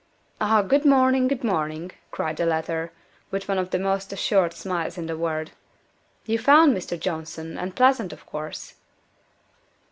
"Ah! good morning! good morning!" cried the latter, with one of the most assured smiles in the world. "You found Mr. Johnson, and pleasant of course?"